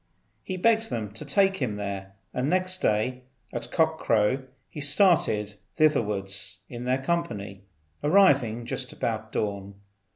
He begged them to take him there, and next day at cock crow he started thitherwards in their company, arriving just about dawn.